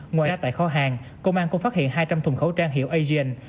ngoài ra tại kho hàng công an cũng phát hiện hai trăm linh thùng khẩu trang hiệu asian